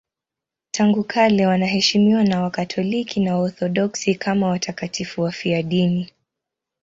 Tangu kale wanaheshimiwa na Wakatoliki na Waorthodoksi kama watakatifu wafiadini.